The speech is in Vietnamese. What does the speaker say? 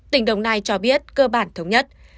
tỉnh đồng nai cho biết cơ bản thống nhất